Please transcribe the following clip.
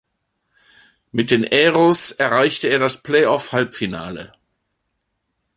Mit den Aeros erreichte er das Playoff-Halbfinale.